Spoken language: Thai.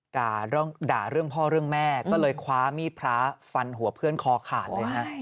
ด่าเรื่องพ่อเรื่องแม่ก็เลยคว้ามีดพระฟันหัวเพื่อนคอขาดเลยฮะ